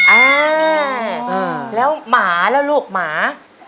อ่าแล้วหมาแล้วลูกหมา